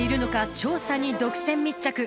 調査に独占密着。